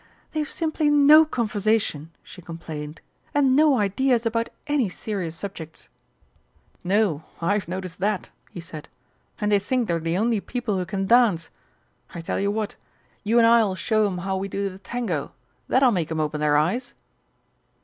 "They've simply no conversation," she complained, "and no ideas about any serious subjects!" "No, I've noticed that," he said; "and they think they're the only people who can dance! I tell you what you and I'll show 'em how we do the Tango. That'll make 'em open their eyes!"